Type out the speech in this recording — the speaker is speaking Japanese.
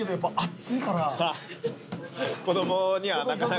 子供にはなかなかね。